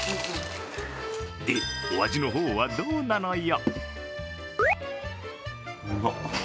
で、お味の方はどうなのよ？